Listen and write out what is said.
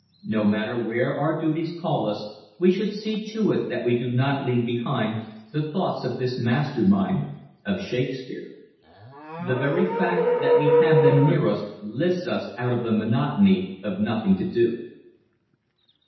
No matter where our duties call us we should see to it that we do not leave behind the thoughts of this master mind of Shakespeare. The very fact that we have them near us lifts us out of the monotony of nothing to do.